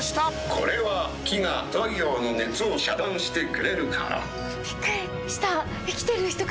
これは木が太陽の熱を遮断してくれるから。